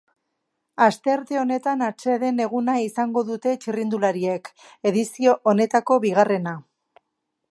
Astearte honetan atseden eguna izango dute txirrindulariek, edizio honetako bigarrena.